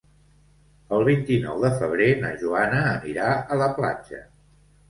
El vint-i-nou de febrer na Joana anirà a la platja.